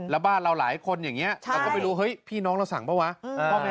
รับให้จ่ายตังค์ให้